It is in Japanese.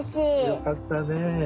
よかったね。